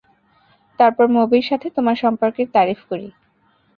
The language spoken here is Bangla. তারপর মবির সাথে তোমার সম্পর্কের তারিফ করি।